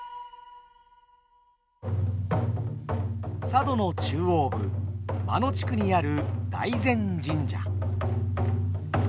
佐渡の中央部真野地区にある大膳神社。